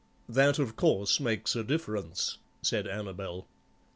"That, of course, makes a difference," said Annabel.